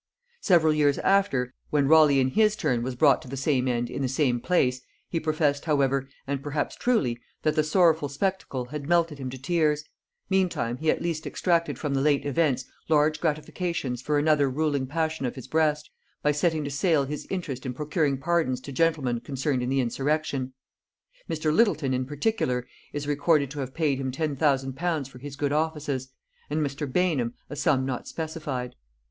Several years after, when Raleigh in his turn was brought to the same end in the same place, he professed however, and perhaps truly, that the sorrowful spectacle had melted him to tears: meantime, he at least extracted from the late events large gratification for another ruling passion of his breast, by setting to sale his interest in procuring pardons to gentlemen concerned in the insurrection. Mr. Lyttleton in particular is recorded to have paid him ten thousand pounds for his good offices, and Mr. Bainham a sum not specified.